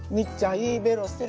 いいベロしてる。